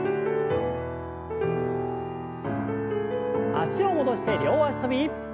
脚を戻して両脚跳び。